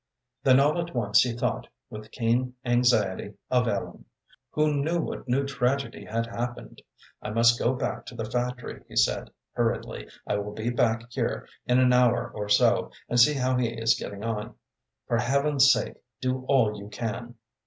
Then all at once he thought, with keen anxiety, of Ellen. Who knew what new tragedy had happened? "I must go back to the factory," he said, hurriedly. "I will be back here in an hour or so, and see how he is getting on. For Heaven's sake, do all you can!"